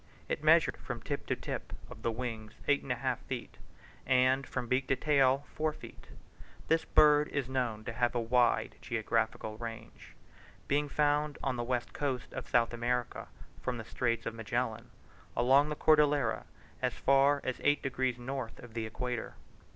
It measured from tip to tip of the wings, eight and a half feet, and from beak to tail, four feet. This bird is known to have a wide geographical range, being found on the west coast of South America, from the Strait of Magellan along the Cordillera as far as eight degrees north of the equator.